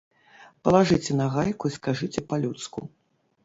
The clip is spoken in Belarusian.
Палажыце нагайку і скажыце па-людску.